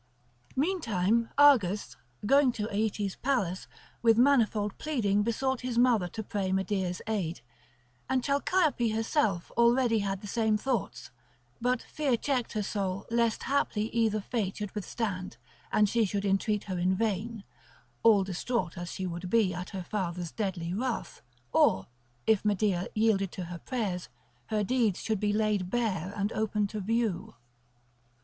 Meantime Argus, going to Aeetes' palace, with manifold pleading besought his mother to pray Medea's aid; and Chalciope herself already had the same thoughts, but fear checked her soul lest haply either fate should withstand and she should entreat her in vain, all distraught as she would be at her father's deadly wrath, or, if Medea yielded to her prayers, her deeds should be laid bare and open to view.